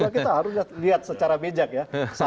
karena kita harus lihat secara bijak ya